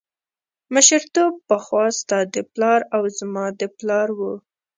مشرتوب پخوا ستا د پلار او زما د پلار و.